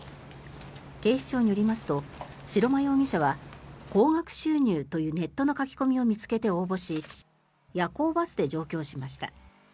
警視庁によりますと白間容疑者は高額収入というネットの書き込みを見つけて応募し夜行バスで上京しました。